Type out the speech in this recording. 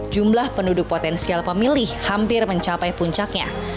jumlah penduduk potensial pemilih hampir mencapai puncaknya